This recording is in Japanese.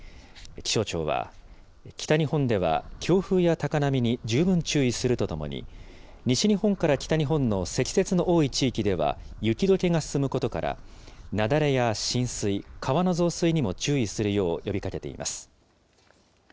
気象庁は、北日本では強風や高波に十分注意するとともに、西日本から北日本の積雪の多い地域では、雪どけが進むことから、雪崩や浸水、川の増水にも注意するよう呼びかけています。